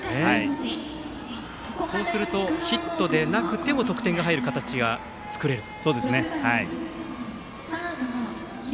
そうするとヒットでなくても得点が入る形が作れると。